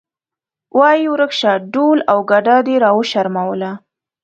وایې ورک شه ډول او ګډا دې راوشرموله.